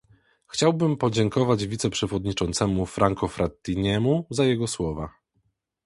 Chciałbym podziękować wiceprzewodniczącemu Franco Frattiniemu za jego słowa